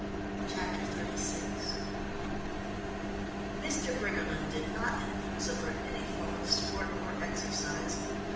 Chapter XXXVI Mr. Briggerland did not enthuse over any form of sport or exercise.